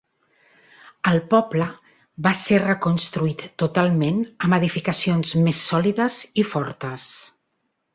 El poble va ser reconstruït totalment amb edificacions més sòlides i fortes.